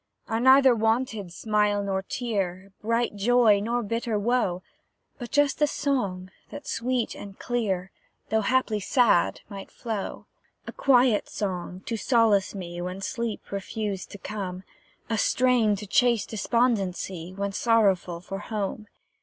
I neither wanted smile nor tear, Bright joy nor bitter woe, But just a song that sweet and clear, Though haply sad, might flow. A quiet song, to solace me When sleep refused to come; A strain to chase despondency, When sorrowful for home.